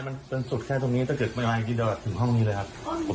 มันจนสุดแค่ตรงนี้ถ้าเกิดไม่มาอีกทีเดียวถึงห้องนี้เลยครับ